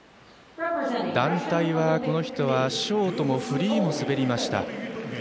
団体はこの人はショートもフリーも滑りました。